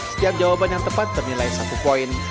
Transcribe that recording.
setiap jawaban yang tepat bernilai satu poin